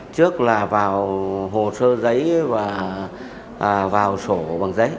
trước là vào hồ sơ giấy và vào sổ bằng giấy